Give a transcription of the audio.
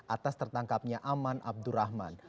atas tertangkapnya aman abdurrahman